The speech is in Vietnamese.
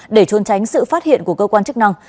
để trôn tránh sự phát hiện của cơ quan chức năng